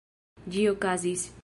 Ĝi okazis.